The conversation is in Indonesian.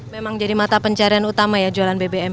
memang jadi mata pencarian utama ya jualan bbm